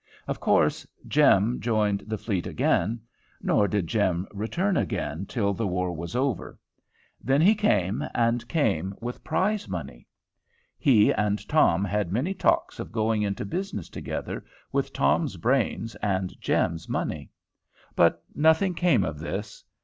Of course Jem joined the fleet again. Nor did Jem return again till the war was over. Then he came, and came with prize money. He and Tom had many talks of going into business together, with Tom's brains and Jem's money. But nothing came of this.